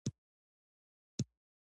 هغه ډیر غنیمتونه غزني ته راوړل.